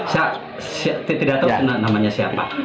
saya tidak tahu namanya siapa